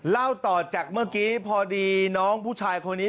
เล่าต่อจากเมื่อกี้พอดีน้องผู้ชายคนนี้